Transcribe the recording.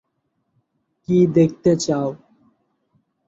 কী দেখতে চাও?